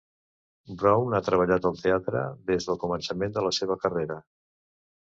Brown ha treballat al teatre des del començament de la seva carrera.